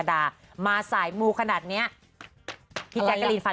หน้าเหมือนอัมันดาออฟนาง่ายนะ